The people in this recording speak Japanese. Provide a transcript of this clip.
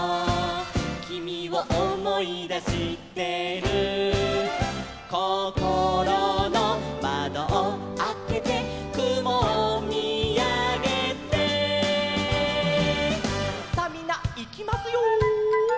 「君を思い出してる」「こころの窓をあけて」「雲を見あげて」さあみんないきますよ。